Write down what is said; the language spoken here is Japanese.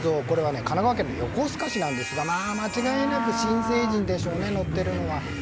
これは神奈川県の横須賀市なんですがまあ間違いなく新成人でしょうね乗っているのは。